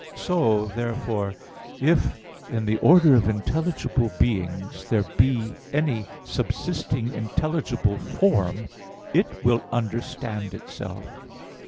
So therefore, if in the order of intelligible beings there be any subsisting intelligible form, it will understand itself.